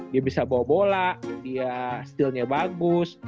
dia bisa bawa bola dia steal nya bagus